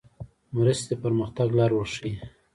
مرستې د پرمختګ لار ورښیي.